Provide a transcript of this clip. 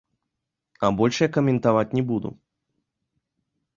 А больш я каментаваць не буду.